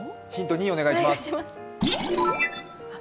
２お願いします。